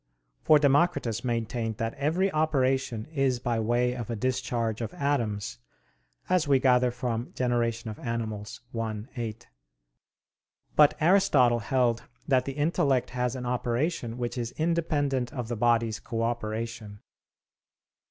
For Democritus maintained that every operation is by way of a discharge of atoms, as we gather from De Gener. i, 8. But Aristotle held that the intellect has an operation which is independent of the body's cooperation.